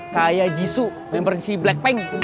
kayak jisoo member si blackpink